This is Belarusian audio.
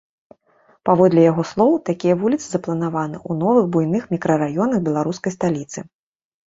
Паводле яго слоў, такія вуліцы запланаваны ў новых буйных мікрараёнах беларускай сталіцы.